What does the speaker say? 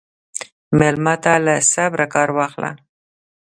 مېلمه ته له صبره کار واخله.